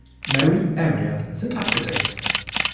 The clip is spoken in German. Mary Area, sind abgedeckt.